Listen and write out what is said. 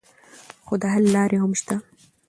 خو د حل لارې یې هم شته.